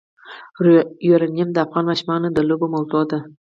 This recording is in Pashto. یورانیم د افغان ماشومانو د لوبو موضوع ده.